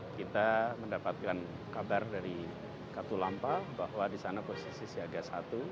kita mendapatkan kabar dari katulampa bahwa di sana posisi siaga satu